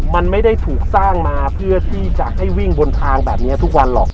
มันไม่ได้ถูกสร้างมาเพื่อที่จะให้วิ่งบนทางแบบนี้ทุกวันหรอก